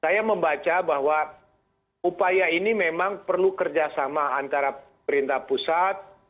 saya membaca bahwa upaya ini memang perlu kerjasama antara perintah pusat